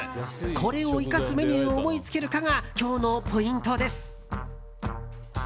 これを生かすメニューを思いつけるかが今日のポイントです。